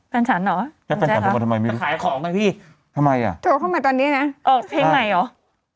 แฟนฉันเหรอคุณแจ็คครับมันขายของไหมพี่โทรเข้ามาตอนนี้นะอ่ะเพลงไหนหรอ